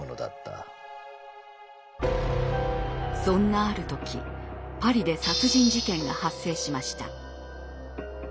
そんなある時パリで殺人事件が発生しました。